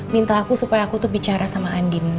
minta aku supaya aku tuh bicara sama andin